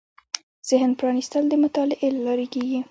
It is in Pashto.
ذهن پرانېستل د مطالعې له لارې کېږي